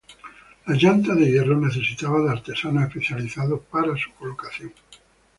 La llanta de hierro necesitaba de artesanos especializados para su colocación.